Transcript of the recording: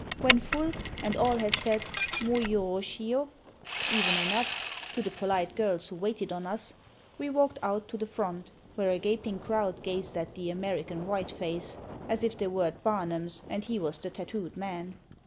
When full, and all had said "Mo yoroshio" (even enough) to the polite girls who waited on us, we walked out to the front, where a gaping crowd gazed at the American white face, as if they were at Barnum's, and he was the Tattooed Man.